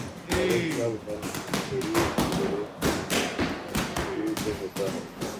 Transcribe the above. ہر اک شب ہر گھڑی گزرے قیامت یوں تو ہوتا ہے